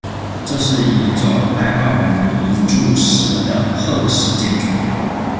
这是一座爱奥尼柱式的褐石建筑。